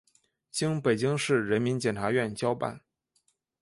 经北京市人民检察院交办